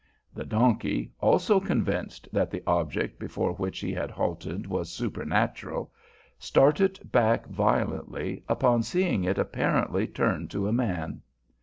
The donkey, also convinced that the object before which he had halted was supernatural, started back violently upon seeing it apparently turn to a man.